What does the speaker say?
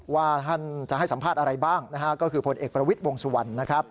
ว่าท่านจะให้สัมภาษณ์อะไรบ้างนะฮะก็คือผลเอกประวิทย์วงสุวรรณนะครับ